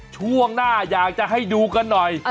ช่วงหน้าอยากจะให้ดูกันหน่อย